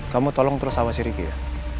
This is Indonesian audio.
kamu tolong terus awasi riki ya